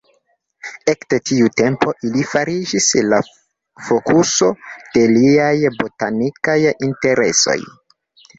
Ekde tiu tempo ili fariĝis la fokuso de liaj botanikaj interesoj.